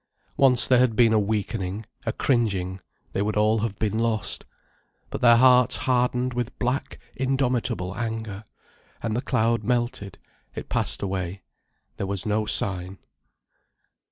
Once there had been a weakening, a cringing, they would all have been lost. But their hearts hardened with black, indomitable anger. And the cloud melted, it passed away. There was no sign.